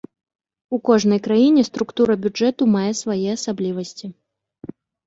У кожнай краіне структура бюджэту мае свае асаблівасці.